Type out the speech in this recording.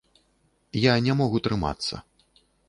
Я не мог утрымацца.